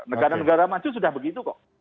negara negara maju sudah begitu kok